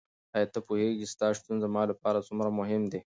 ایا ته پوهېږې چې ستا شتون زما لپاره څومره مهم دی؟